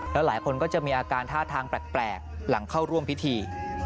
แล้วหลายคนก็จะมีอาการท่าทางแปลกหลังเข้าร่วมพิธี